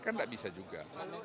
kan tidak bisa juga